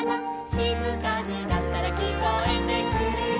「しずかになったらきこえてくるよ」